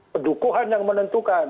pedukuhan yang menentukan